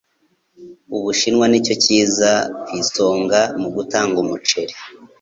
Ubushinwa nicyo kiza ku isonga mu gutanga umuceri.